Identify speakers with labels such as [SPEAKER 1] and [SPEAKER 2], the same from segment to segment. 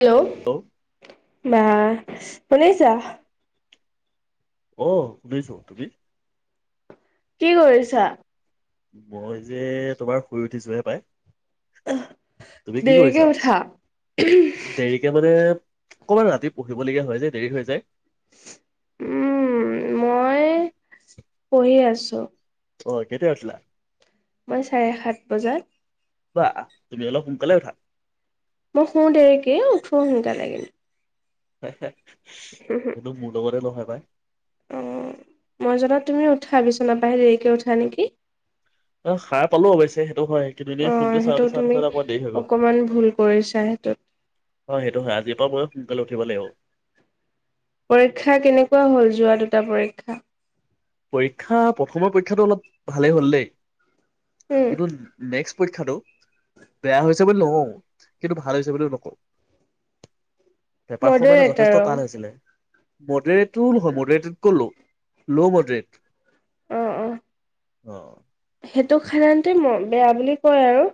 [SPEAKER 1] Hello বা শুনিছ
[SPEAKER 2] অ শুনিছো তুমি
[SPEAKER 1] কি কৰিছা
[SPEAKER 2] মই যে তোমাৰ শুই উঠিছোহে পাই
[SPEAKER 1] আহ
[SPEAKER 2] তুমি কি কৰিছা
[SPEAKER 1] দেৰিকে উঠা
[SPEAKER 2] ক'বাত ৰাতি পঢ়িবলগীয়া হয় যে দেৰি হৈ যায়
[SPEAKER 1] উম মই পঢ়ি আছো [inaudible]
[SPEAKER 2] অ কেতিয়া উঠিলা
[SPEAKER 1] মই চাৰে সাত বজাত
[SPEAKER 2] ব আহ তুমি অলপ সোনকালে উঠা
[SPEAKER 1] মোৰ শু দেৰিকে উঠু সোনকালে
[SPEAKER 2] হয়্চা [unintelligible] সেইটো মোৰ লগতে নহয় হয়
[SPEAKER 1] অ মই জাননা তুমি উঠা বিচনাপা দেৰিকে উঠা নেকি
[SPEAKER 2] অ সাৰ পালো অৱশ্যে সেইটো হয় কিন্তু এনেই
[SPEAKER 1] অ',
[SPEAKER 2] ফোনটো
[SPEAKER 1] সেইটো
[SPEAKER 2] চাওঁতে চাওঁতে
[SPEAKER 1] তুমি
[SPEAKER 2] চাওঁতে অকণ দেৰি হৈ গল
[SPEAKER 1] অকমান ভুল কৰিছা সেইটোত।
[SPEAKER 2] হয় সেইটো হয় আজিৰ পৰা ময়ো সোনকালে উঠিব লাগিব
[SPEAKER 1] পৰীক্ষা কেনেকুৱা হল যোৱা দুটা পৰীক্ষা
[SPEAKER 2] পৰীক্ষা প্ৰথমৰ পৰীক্ষাটো অলপ ভালেই হ'ল দেই
[SPEAKER 1] উম,
[SPEAKER 2] কিন্তু নেক্সট পৰীক্ষাটো বেয়া হৈছে বুলি নহওঁ কিন্তু ভাল হৈছে বুলিও নকওঁ বেপাৰ সমানে
[SPEAKER 1] মডাৰেটাৰ
[SPEAKER 2] যথেষ্ট
[SPEAKER 1] অ',
[SPEAKER 2] টান হৈছিলে মোটেই তটো নহয় মোৰ কলো ল' ম প
[SPEAKER 1] আহ আহ
[SPEAKER 2] অ
[SPEAKER 1] সেইটোক সাধাৰণতে ম মৰম বুলি কয় আৰু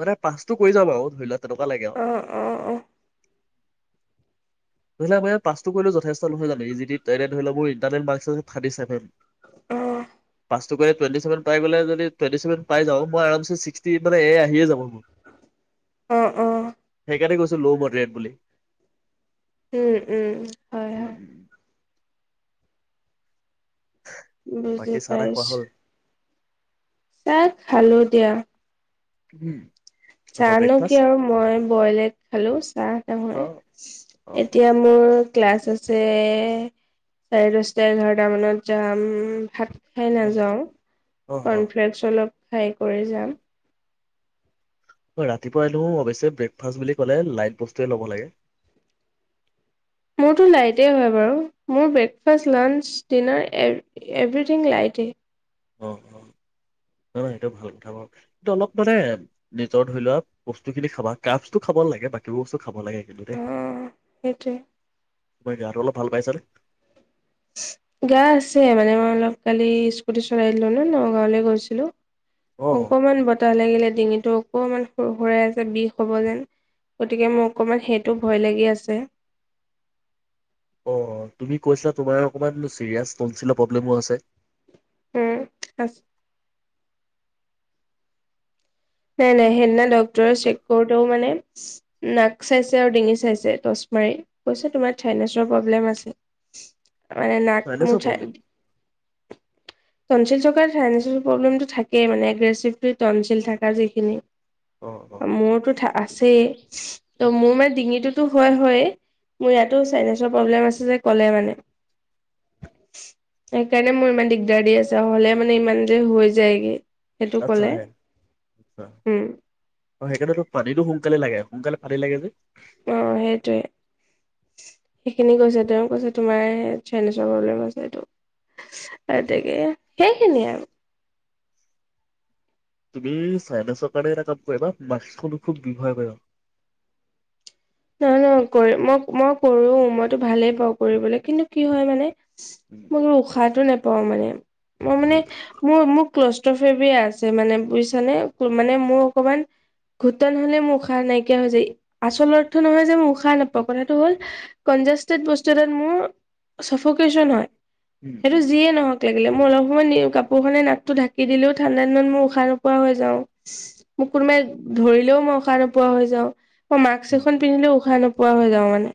[SPEAKER 2] মানে পাচটো কৰি যাম আৰু ধৰি লোৱা এটকা লাগে আৰু
[SPEAKER 1] অ', অ', অ',
[SPEAKER 2] ধৰি লোৱা মই আৰু পাছটো কৰিলো যথেষ্ট নহয় জানে ইজিলি পেৰেন ধৰি লওক মোৰ ইনটাৰেল মাৰ্ক্স আছে থাৰ্টি চেভেন
[SPEAKER 1] আহ
[SPEAKER 2] পাছটো কৰি টুৱেণ্টি চেভেন পাই পেলাই যদি টুৱেণ্টি চেভেন পাই যাও মই আৰাম ছে ছিক্সটি মানে এ আহিয়ে যাব মোৰ
[SPEAKER 1] অ অ
[SPEAKER 2] সেইকাৰণে গৈছো ল' মডৰেট বুলি
[SPEAKER 1] উম উম হয়
[SPEAKER 2] উম
[SPEAKER 1] হয়
[SPEAKER 2] উম উম।
[SPEAKER 1] বুজি
[SPEAKER 2] বাকী চাহ তাহ খোৱা
[SPEAKER 1] পাইছো
[SPEAKER 2] হ'ল
[SPEAKER 1] চাহ খালো দিয়া
[SPEAKER 2] উম
[SPEAKER 1] চাহ
[SPEAKER 2] তাৰপৰা
[SPEAKER 1] ন কি
[SPEAKER 2] ব্ৰেকফাষ্ট
[SPEAKER 1] আৰু মই বইল এগ খালো চাহ নহয়
[SPEAKER 2] অ অ অ
[SPEAKER 1] এতিয়া মোৰ ক্লাছ আছে চাৰে দছটা এঘাৰটা মানত যাম সাত খাই
[SPEAKER 2] অ
[SPEAKER 1] নাযাওঁ
[SPEAKER 2] অ
[SPEAKER 1] কনফ্লেকছ অলপ খাই কৰি যাম
[SPEAKER 2] ৰাতিপুৱা এনেও বেছি ব্ৰেকফাষ্ট বুলি ক'লে লাইত বস্তুয়ে লৱ লাগে
[SPEAKER 1] মোৰতো লাইটে হয় বাৰু মোৰ ব্ৰেকফাষ্ট লাঞ্চ ডিনাৰ এভ এভৰিথিং লাইটে
[SPEAKER 2] অ অ নহয় এইটো ভাল কথা বাৰু কিন্তু অলপ মানে নিজৰ ধৰি লোৱা বস্তু খিনি খাবা কাপছটো খাব লাগে বাকীবোৰ বস্তু খাব লাগে কিন্তু দেই
[SPEAKER 1] অ', সেইটোৱে।
[SPEAKER 2] তোমাৰ গাটো অলপ ভাল পাইছা নে?
[SPEAKER 1] গা আছে মানে মই অলপ কালি স্কুটি চলাই দিলো মানে নগাঁৱলে গৈছিলো
[SPEAKER 2] অ
[SPEAKER 1] অকণমান বতাহ লাগিলে ডিঙিতটো অকণমান সুৰ সুৰাই আছে বিষ হব যেন গতিকে মোৰ অকণমান সেইটো ভয় লাগি আছে
[SPEAKER 2] অ তুমি কৈছিলা তোমাৰ অকণমান চিৰিয়াছ তনচিলৰ প্ৰব্লেমো আছে
[SPEAKER 1] উম আছে নাই নাই সেই দিনা ডক্তৰে চেক কৰোতে ও মানে নাক চাইছে আৰু ডিঙি চাইছে টচ মাৰি কৈছে তোমাৰ চাইন্সেৰ প্ৰব্লেম আছে। মানে নাক
[SPEAKER 2] চাইনাছৰ
[SPEAKER 1] মুঠাই
[SPEAKER 2] প্ৰব্লেম
[SPEAKER 1] দি তনচিল জগাত চাইন্সেৰ প্ৰব্লেমটো থাকেই মানে এগ্ৰেছিভটোৱে তনছিল থাকে যিখিনি
[SPEAKER 2] অ অ
[SPEAKER 1] মোৰতো থা আছেই
[SPEAKER 2] অ
[SPEAKER 1] ত মোৰ
[SPEAKER 2] অ।
[SPEAKER 1] মানে ডিঙিটোতো হয় হয় মোৰ ইয়াতো চাইনেচৰ প্ৰব্লেম আছে ক'লে মানে সেইকাৰণে মোৰ ইমান দিগদাৰ দি আছে হ'লে মানে ইমান যে হৈ যায় গে সেইটো
[SPEAKER 2] আচ্ছা
[SPEAKER 1] কলে
[SPEAKER 2] আহে
[SPEAKER 1] উম
[SPEAKER 2] আচ্ছা সেইকাৰণে তো পানীতো সোনকালে লাগে সোনকালে পানী লাগে যে
[SPEAKER 1] অহ সেইটোৱে সেইখিনি কৈছে তেওঁ কৈছে তোমাৰ হে চাইনেচৰ প্ৰব্লেম‌ আছে সেটো গতিকে আৰু সেইখিনিয়ে আৰু
[SPEAKER 2] তুমি চাইনেছৰ কাৰণে এটা কাম কৰা বা মাক্স খনো খুব ব্যৱহাৰ কৰে।
[SPEAKER 1] নহয় নহয় মই মই কৰো মইতো ভালেই পাওঁ কৰিবলৈ কিন্তু কি হয় মানে।
[SPEAKER 2] উম
[SPEAKER 1] মই উশাহ টো ন ত মানে ম মানে
[SPEAKER 2] উম
[SPEAKER 1] মোৰ মোক ক্লচ। আছে মানে বুজিছানে মানে মোৰ অকমান ঘুটন হলে মোৰ উশাহ নাইকিয়া হৈ যায় আচলত টো নহয় যে মই খ নাপাওঁ কথাটো হ'ল কনজাষ্টেড বস্তু এটাত মোৰ চফকেচন হয়।
[SPEAKER 2] উম
[SPEAKER 1] সেইটো
[SPEAKER 2] উম
[SPEAKER 1] যিয়ে নহওক। লাগিলে মই অলপ সময় নি কাপোৰখনে নাকটো ঢাকি দিলেও ঠাণ্ডা দিনত মই উশাহ নোপোৱা হৈ যাঁ‌ও। মোক
[SPEAKER 2] উম
[SPEAKER 1] কোনোবাই ধৰি দিলেও মই উশাহ নোপোৱা হৈ যাঁ‌ও। অ' মাৰ্ক্স। উশাহ নোপোৱা হৈ যাওঁ মানে।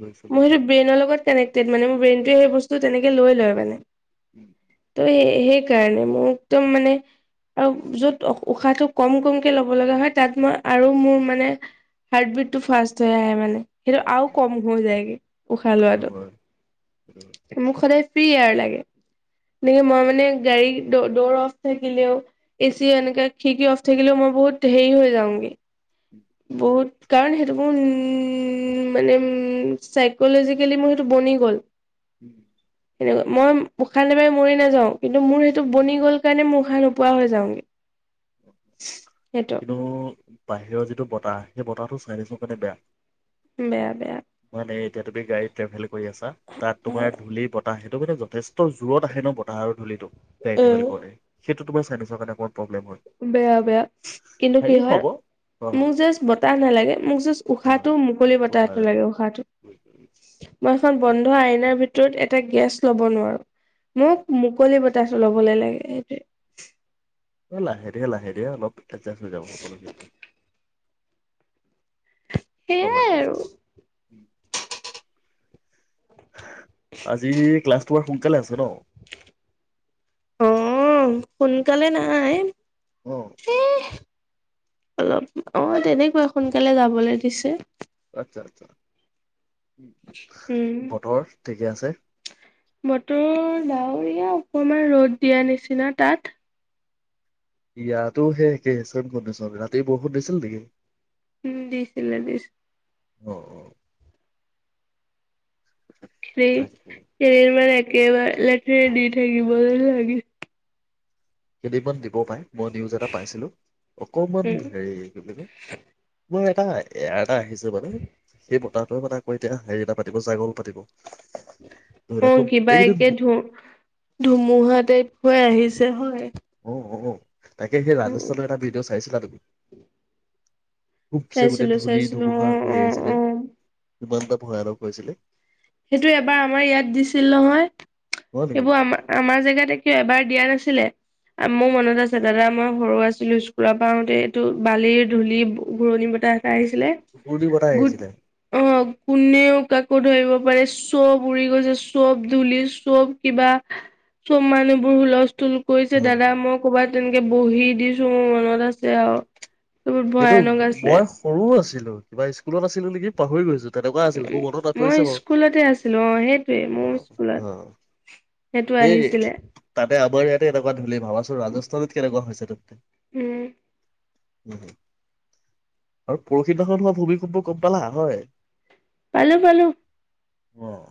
[SPEAKER 2] লৈছো
[SPEAKER 1] মই
[SPEAKER 2] লৈছো
[SPEAKER 1] সেইটো ব্ৰেইনৰ লগত। কানেক্টড মানে মোৰ ব্ৰেইনেটোৱে সেই বস্তু তেনেকে লৈ লয় মানে
[SPEAKER 2] উম।
[SPEAKER 1] ত' সেইকাৰণে মোৰ একদম মানে আৰু য'ত উশাহটো কম কমকে ল'ব লগা হয় তাত মই আৰু মোৰ মানে। হাৰ্টবিট টো ফাষ্ট হৈ আহে মানে। সেইটো আৰু কম হৈ যায়গে উশাহ
[SPEAKER 2] সেইটো
[SPEAKER 1] লোৱাটো
[SPEAKER 2] হয় সেইটো হয়
[SPEAKER 1] মোক সদায়। ফ্ৰী আৰ লাগে তেনেকে মই মানে গাড়ী দৌৰ অফ থাকিলেও। এচি এনেকে খিকি অ'। থাকিলেও মই বহুত হেৰি হৈ যাওঁগে বহুত কাৰণ সেইটো মোৰ উ উ মানে উম চাইকলেজিকেলি মোৰ সেইটো বনি গ'ল।
[SPEAKER 2] উম।
[SPEAKER 1] সেনকা মই উশাহ নাপাই মৰি নাযাওঁ কিন্তু মোৰ সেইটো বনি গ'ল কাৰণে মোৰ উশাহ নোপোৱা হৈ যাওঁগে। সেইটো
[SPEAKER 2] কিন্তু বাহিৰৰ যিটো বতাহ সেই বতাহটো চাইনেজৰ কাৰণে বেয়া।
[SPEAKER 1] বেয়া বেয়া
[SPEAKER 2] সে এতিয়া তুমি গাড়ীত ট্ৰেভেল। কৰি আছা তাত। তোমাৰ ধূলি বতাহে সেইটো কাৰনে যথেষ্ট জোৰত আহে ন? বতাহৰ ধূলিটো গাড়ী ট্ৰেভেল
[SPEAKER 1] উম
[SPEAKER 2] কৰোঁ‌তে। টো তোমাৰ চাইনেজৰ কাৰনে অকণ।
[SPEAKER 1] বেয়া, বেয়া কিন্তু কি
[SPEAKER 2] হেৰি
[SPEAKER 1] হয়
[SPEAKER 2] হ'ব অ
[SPEAKER 1] মোক জাষ্ট বতাহ নালাগে মোক জাষ্ট
[SPEAKER 2] অ
[SPEAKER 1] উশাহটো মুকলি বতাহ এটা লাগে উশাহ। লোৱাটোত ম খন বন্ধ আইনা ভিতৰত এটা গেছ ল'ব নোৱাৰো মোক মুকলি বতাহ বতাহতো লব লাগে সেইটোৱে
[SPEAKER 2] এ লাহে দিহে লাহে দিহে অলপ এ এতষ্ট হৈ যাব সকলোখিনি হ'ব
[SPEAKER 1] সেইয়াই
[SPEAKER 2] দিয়া
[SPEAKER 1] আৰু
[SPEAKER 2] চোন আজি ক্লাছ তোমাৰ সোনকালে আছে ন
[SPEAKER 1] অ সোনকালে নাই
[SPEAKER 2] আহ
[SPEAKER 1] এ অলপ অ তেনেকুৱা সোনকালে যাবলৈ দিছে
[SPEAKER 2] আচ্ছা আচ্ছা
[SPEAKER 1] উম
[SPEAKER 2] বতৰ ঠিকে আছে
[SPEAKER 1] বতৰ ডাৱৰীয়া অকমান ৰ'দ দিয়া নিচিনা তাত
[SPEAKER 2] ইয়াতো সেই একেই মে'ত কণ্ডিশন ৰাতি বৰষুণ দিছিল নেকি
[SPEAKER 1] উম দিছিলে দিছিলে
[SPEAKER 2] অউ অউ
[SPEAKER 1] খেলি
[SPEAKER 2] তাকে
[SPEAKER 1] খেৰি মান একেবাৰে লেঠ দি থাকিব চাগে
[SPEAKER 2] কেইদিবন মান দিব পাৰে মই নিউজ এটা পাইছিলোঁ অকণমান
[SPEAKER 1] উম
[SPEAKER 2] হেৰি কি বুলি কয় কোন এটা এয়াট তাই আহিছো বাৰু সেই বটাঁহটোৱে মানে মই এতিয়া হেৰি এটা পাতি জাগল পাব
[SPEAKER 1] অ কিবা একে ধু ধুমুহাতে হৈ আহিছে হয়
[SPEAKER 2] উম উম তাকে সেই
[SPEAKER 1] উম
[SPEAKER 2] ৰাজস্থানলৈ এটা ভিডিঅ' চাইছিলা তুমি খুবচে গোটেই
[SPEAKER 1] চাইছিলো
[SPEAKER 2] ধূলি
[SPEAKER 1] চাইছিলো
[SPEAKER 2] ধুমুহা
[SPEAKER 1] অ
[SPEAKER 2] কৰি
[SPEAKER 1] অ
[SPEAKER 2] আহিছিলে
[SPEAKER 1] অ
[SPEAKER 2] ইমান এটা ভয়ানক হৈছিলে
[SPEAKER 1] সেইটো এবাৰ আমাৰ ইয়াত দিছিল নহয়
[SPEAKER 2] হয় নেকি
[SPEAKER 1] এইবোৰ আম আমাৰ জেগাতে এতিয়া এবাৰ দিয়া নাছিল ছিলে মোৰ মনত আছে দাদা মই সৰু আছিলো স্কুলৰ পৰাওতে এইটো বালিৰ ধূলি ঘূৰণি বতাহ আহিছিলে
[SPEAKER 2] ঘূৰ্ণি বতাহ
[SPEAKER 1] গু
[SPEAKER 2] আহিছিলে
[SPEAKER 1] অ কোনেও কাকো ধৰিব পাৰে চব উৰি গৈছে চব ধুলি চব কিবা চব মানুহবোৰ হুলস্থ তুল কৰিছে
[SPEAKER 2] হয়
[SPEAKER 1] দাদা
[SPEAKER 2] হয়
[SPEAKER 1] মই ক'বাত তেনেকে বহি দিছো মোৰ মনত আছে আৰু বহুত
[SPEAKER 2] সেইটো
[SPEAKER 1] ভয়ানক আছিলে
[SPEAKER 2] বয় মোৰু আছে ছিল কিবা স্কুলত আছিলো নেকি পাহৰি গৈছো তেনেকুৱা আছিলে মোৰ মনত
[SPEAKER 1] মই
[SPEAKER 2] পৰিছে বাৰু
[SPEAKER 1] স্কুলতে আছিলো অ সেইটোৱে
[SPEAKER 2] অ
[SPEAKER 1] মোৰ
[SPEAKER 2] অ
[SPEAKER 1] স্কুলত সেইটো
[SPEAKER 2] সেই
[SPEAKER 1] আহিছিলে
[SPEAKER 2] তাতে আমাৰ ইয়াতে এনেকুৱা ধূলি ভাবাচোন ৰাজস্থানত কেনেকুৱা হৈছে তাতে
[SPEAKER 1] উম
[SPEAKER 2] উম হু আৰু পৰহিদিখন হোৱা ভূমকম্প গম পালা হয়
[SPEAKER 1] পালো পালো
[SPEAKER 2] আহ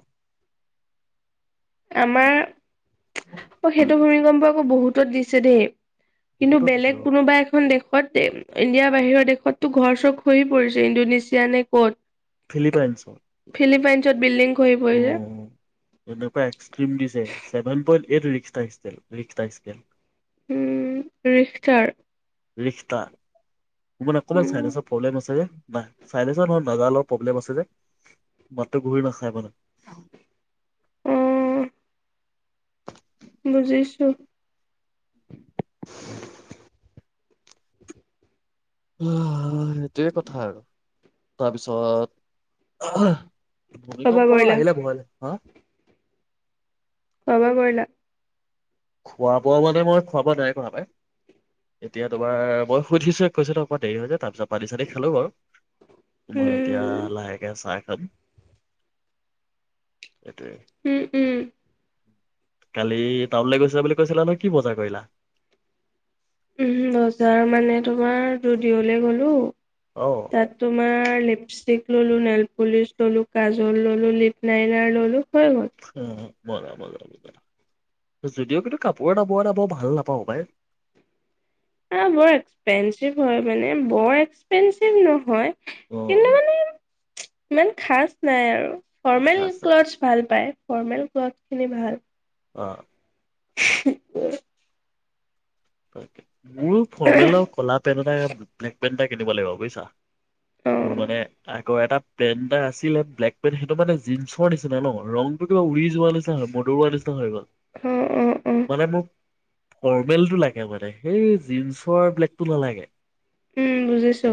[SPEAKER 1] আমাৰ অ সেইটো ভূমিকম্প আকৌ বহুত ত দিছে দেই কিন্তু
[SPEAKER 2] বহুতো দিছে
[SPEAKER 1] বেলেগ
[SPEAKER 2] অ',
[SPEAKER 1] কোনোবা এখন দেশ ত ইণ্ডিয়া বাহিৰৰ দেশত টো ঘৰ চৰ খহি পৰিছে ইণ্ডোনেছিয়া নে ক'ত
[SPEAKER 2] ফিলিপাইনছ
[SPEAKER 1] ফিলিপইনছত বিল্ডিং হৰি পৰিছে
[SPEAKER 2] এনেকুৱা দিছে seven point eight Richter scale Richter scale
[SPEAKER 1] উম ৰিখটাৰ
[SPEAKER 2] ৰিখটা মোৰ মনে অকমান
[SPEAKER 1] উম
[SPEAKER 2] ছাইনাছৰ প্ৰব্লেম আছে যে নাই ছাইনাছৰ নহয় নাজালৰ অলপ প্ৰব্লেম আছে যে মাতটো ঘূৰি নাখাই মানে
[SPEAKER 1] উম বুজিছো
[SPEAKER 2] [inaudible] আহ সটোৱেই কথা আৰু তাৰপিছত
[SPEAKER 1] খোৱা বোৱা
[SPEAKER 2] ভূমিকম্প
[SPEAKER 1] কৰিলা
[SPEAKER 2] আহিলে ভয় লা হা
[SPEAKER 1] খোৱা বোৱা কৰিলা
[SPEAKER 2] খোৱা বোৱা মানে মই খোৱা বোৱা নাই কৰা পাই এতিয়া তোমাৰ মই শুই উঠিচুহে কৈছো অকণমান দেৰি হৈ যায় তাৰ পিছত পানী চানি খালো বাৰু মই এতিয়া
[SPEAKER 1] উম
[SPEAKER 2] লাহেকে চাহ এম এইটো
[SPEAKER 1] উম উম
[SPEAKER 2] কালি টাউনলে গৈছিলা বুলি কৈছিলা ন কি বজাৰ কৰিলা
[SPEAKER 1] উম বজাৰ মানে তোমাৰ যুডিঅ'লে গলো
[SPEAKER 2] অ
[SPEAKER 1] তাত তোমাৰ লিপষ্টিক ল'লু নেইলপলিচ ল'লু কাজল ল'লু লিপ লাইনাৰ ল'লু
[SPEAKER 2] অ মজা মজা যুডীঅ' কিন্তু কাপোৰ এটা বৰ এটা ভাল নাপাওঁ পাই
[SPEAKER 1] অ' বৰ এক্সপেঞ্চিভ হয় মানে বৰ এক্সপেঞ্চিভ নহয়।
[SPEAKER 2] অ'
[SPEAKER 1] কিন্তু
[SPEAKER 2] অ'
[SPEAKER 1] মানে ইমান খাজ নাই আৰু। ফৰ্মেল
[SPEAKER 2] লিখা আছে
[SPEAKER 1] ক্লথছ ভাল পায়। ফৰ্মেল ক্লথ খিনি ভাল।
[SPEAKER 2] অ'
[SPEAKER 1] উ,
[SPEAKER 2] মোৰ ফৰ্মেলৰ কলা পেণ্ট এটা ব্লেক পেন্ট এটা। কিনিব লাগিব বুইছা। মোৰ
[SPEAKER 1] অ',
[SPEAKER 2] মানে আকৌ এটা। পেন্ট এটা আছিলে ব্লেক পেন্ট সেইটো মে জিন্চৰ নিচিনা ন ৰং টো কিবা উৰি যোৱা নিচিনা। মদৰুৱা নিচিনা হৈ গল
[SPEAKER 1] অ', অ', অ',
[SPEAKER 2] মানে মোক ফৰ্মেলটো লাগে। একে মানে সেই জিন্সৰ ব্লেগতটো নালাগে।
[SPEAKER 1] উম বুজিছো।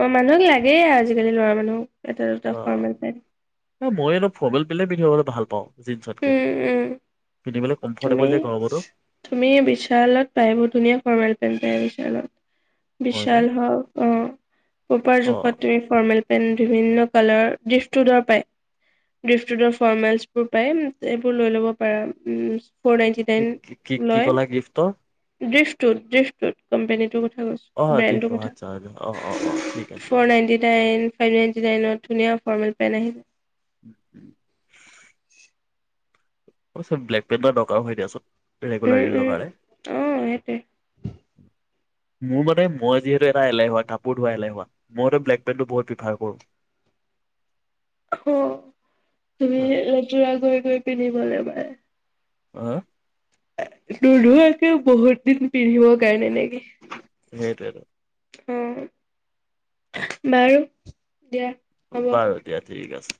[SPEAKER 1] অ' মানুহক লাগে। লাগেই আজিকালি ল'ৰা মানুহক। এটা দুটা ফৰ্মেল পেণ্ট।
[SPEAKER 2] ন মই অল ফৰ্মেল পেলে পিন্ধিবলৈ ভালপাওঁ।
[SPEAKER 1] উম -উম তুমি
[SPEAKER 2] কমফৰ্টেবল যে গৰমতো
[SPEAKER 1] তুমি বিশালত পাই বহুত ধুনীয়া ফৰ্মেল পেন্ট পাই।
[SPEAKER 2] হয় ন
[SPEAKER 1] বিশাল হও অ' পপাৰ
[SPEAKER 2] অ
[SPEAKER 1] জোখত তুমি ফৰ্মেল পেণ্ট। পেণ্ট বিভিন্ন কালাৰৰ ড্ৰিফটটোডৰ পায় ডিফ্টোডৰ ফৰ্মেলচ বোৰ। পাই এইবোৰ লৈ ল'ব পাৰা উম। ফ'ৰ নাইনটি
[SPEAKER 2] কি
[SPEAKER 1] নাইন
[SPEAKER 2] কি কি
[SPEAKER 1] লয়
[SPEAKER 2] ক'লা গিফ্টৰ
[SPEAKER 1] । ড্ৰিফটোত ড্ৰিফটোত কোম্পনীটোৰ কথা
[SPEAKER 2] অ
[SPEAKER 1] কৈছো
[SPEAKER 2] দিছ
[SPEAKER 1] ব্ৰেণ্ডৰ কথা
[SPEAKER 2] আচ্ছা অ অ অ ঠিক আছে
[SPEAKER 1] ফৰ
[SPEAKER 2] অ
[SPEAKER 1] নাইনটি নাইন ফৰনাইণ্টি নাইনত ধুনীয়া ফৰ্মেল পেণ্ট আহিছে।
[SPEAKER 2] উম -উম অৱশ্যে ব্লেক পেপাৰ দৰকাৰও হয় দিয়াচোন। ৰেগুলাৰ
[SPEAKER 1] উম
[SPEAKER 2] ইউজৰ
[SPEAKER 1] -উম
[SPEAKER 2] কাৰণে
[SPEAKER 1] অ ' সেইটোৱে।
[SPEAKER 2] মোৰ মতে মই যিহেতু এটা এলেহুৱা কাপোৰ ধোৱা এলেহুৱা, মই মনে ব্লেক পেণ্টটো বহুত প্ৰিফাৰ কৰোঁ।
[SPEAKER 1] অ' তুমি জোৰা কৰি কৰি পিন্ধিবা এবাৰ। এ
[SPEAKER 2] অ
[SPEAKER 1] নোধোৱাকৈ বহুত দিন পিন্ধিবৰ কাৰণে নেকি
[SPEAKER 2] সেইটোৱেই টো।
[SPEAKER 1] উম' বাৰু। দিয়া হ'ব।
[SPEAKER 2] বাৰু দিয়া ঠিক আছে।